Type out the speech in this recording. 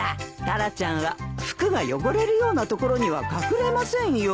タラちゃんは服が汚れるような所には隠れませんよ。